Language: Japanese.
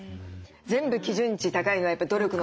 全部基準値高いのはやっぱり努力のたまもの。